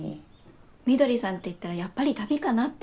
翠さんって言ったらやっぱり旅かなって。